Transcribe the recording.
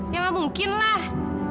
ya gak mungkin lah